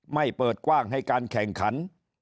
เปิดกว้างให้การแข่งขัน